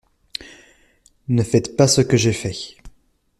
Ne faites pas ce que j'ai fait!